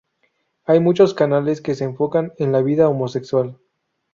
Hay muchos canales que se enfocan en vida homosexual.